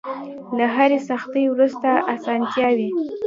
له هرې سختۍ وروسته ارسانتيا وي.